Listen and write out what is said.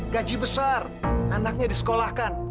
gaji besar anaknya disekolahkan